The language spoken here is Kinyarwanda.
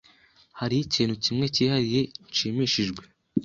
Hariho ikintu kimwe cyihariye nshimishijwe.